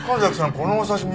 このお刺し身